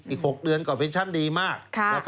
อีก๖เดือนก็เป็นชั้นดีมาก